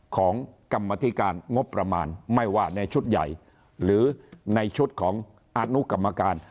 ของกรรมธิการงบประมาณไม่ว่าในชุดใหญ่หรือในชุดของอานุกรรมการ